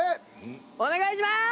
お願いします！